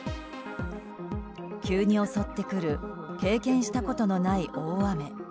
急に襲ってくる経験したことのない大雨。